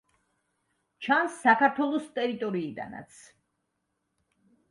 ჩანს საქართველოს ტერიტორიიდანაც.